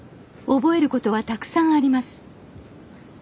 覚えることはたくさんあります